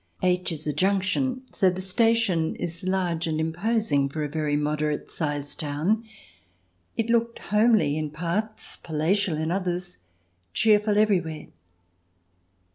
H is a junction, so the station is large and imposing for a very moderate sized town. It looked homely in parts, palatial in others, cheerful every where.